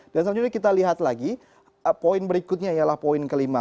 dan selanjutnya kita lihat lagi poin berikutnya ialah poin kelima